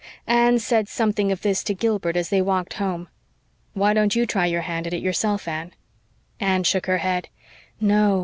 Anne said something of this to Gilbert as they walked home. "Why don't you try your hand at it yourself, Anne?" Anne shook her head. "No.